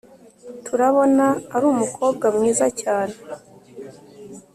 turabona arumukobwa mwiza cyane